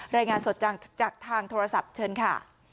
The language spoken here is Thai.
รายงานสดจากทางโทรศัพท์เชิญค่ะ